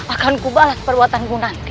akan kubalas perbuatanku nanti